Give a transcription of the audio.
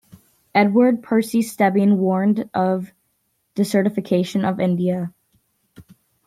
Edward Percy Stebbing warned of desertification of India.